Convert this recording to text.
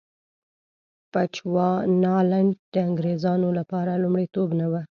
بچوانالنډ د انګرېزانو لپاره لومړیتوب نه و.